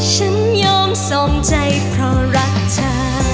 ฉันยอมสมใจเพราะรักเธอ